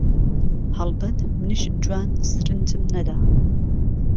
هەڵبەت منیش جوان سرنجم نەدا